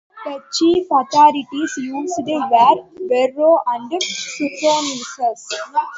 The chief authorities used were Varro and Suetonius.